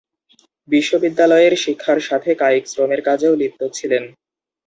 বিশ্ববিদ্যালয়ের শিক্ষার সাথে কায়িক শ্রমের কাজেও লিপ্ত ছিলেন।